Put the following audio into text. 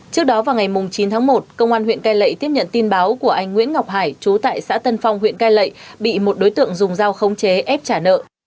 trước đó vào ngày chín tháng một công an huyện cai lệ tiếp nhận tin báo của anh nguyễn ngọc hải chú tại xã tân phong huyện cai lệ bị một đối tượng dùng dao khống chế ép trả nợ